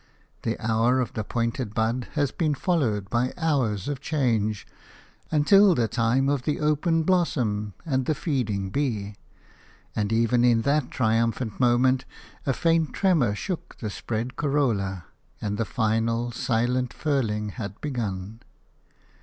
The hour of the pointed bud has been followed by hours of change, until the time of the open blossom and the feeding bee; and even in that triumphant moment a faint tremor shook the spread corolla, and the final silent furling had begun.